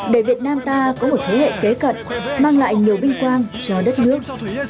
để việt nam ta có một thế hệ kế cận mang lại nhiều vinh quang cho đất nước